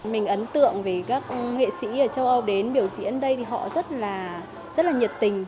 mình ấn tượng về các nghệ sĩ ở châu âu đến biểu diễn đây thì họ rất là rất là nhiệt tình